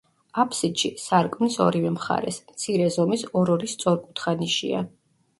აფსიდში, სარკმლის ორივე მხარეს, მცირე ზომის ორ-ორი სწორკუთხა ნიშია.